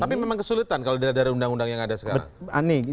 tapi memang kesulitan kalau dilihat dari undang undang yang ada sekarang